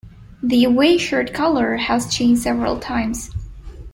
The away shirt colour has changed several times.